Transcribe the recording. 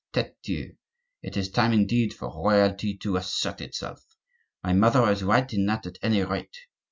Tete Dieu! it is time indeed for royalty to assert itself. My mother is right in that, at any rate.